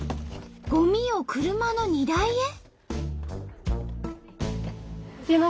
ゴミを車の荷台へ。